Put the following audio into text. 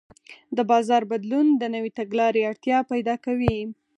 د بازار بدلون د نوې تګلارې اړتیا پیدا کوي.